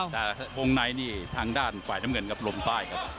แต่วงในทางด้านปลายน้ำเงินกับลงใต้ครับ